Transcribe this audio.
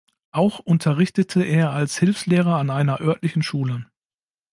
Auch unterrichtete er als Hilfslehrer an einer örtlichen Schule.